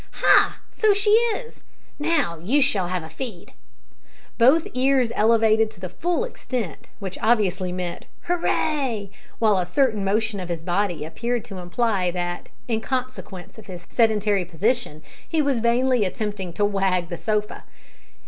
"Ha! so she is. Now you shall have a feed." Both ears elevated to the full extent obviously meant "Hurrah!" while a certain motion of his body appeared to imply that, in consequence of his sedentary position, he was vainly attempting to wag the sofa.